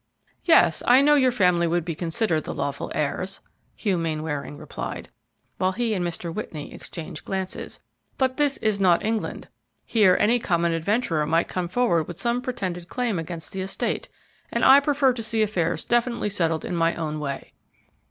"Yes, I know your family would be considered the lawful heirs," Hugh Mainwaring replied, while he and Mr. Whitney exchanged glances; "but this is not England; here any common adventurer might come forward with some pretended claim against the estate, and I prefer to see affairs definitely settled in my own way."